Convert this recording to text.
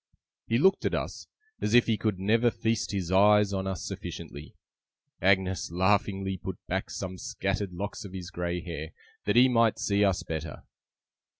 He looked at us, as if he could never feast his eyes on us sufficiently. Agnes laughingly put back some scattered locks of his grey hair, that he might see us better.